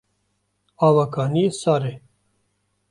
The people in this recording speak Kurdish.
Ava kaniyê sar e.